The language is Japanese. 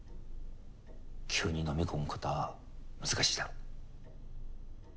急に飲み込むことは難しいだろう。